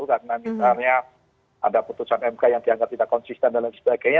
karena misalnya ada putusan mk yang dianggap tidak konsisten dan sebagainya